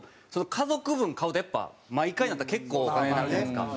家族分買うとやっぱり毎回になったら結構お金なるじゃないですか。